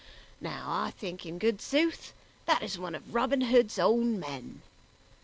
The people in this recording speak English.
Now I think in good sooth that is one of Robin Hood's own men."